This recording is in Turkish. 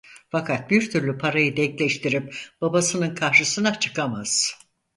Fakat bir türlü parayı denkleştirip babasının karşısına çıkamaz.